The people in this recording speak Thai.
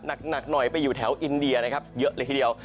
หนักหน่อยไปอยู่แถวอินเดียนะครับเยอะเลยทีเดียว